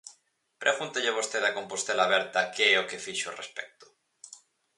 Pregúntelle vostede a Compostela Aberta que é o que fixo ao respecto.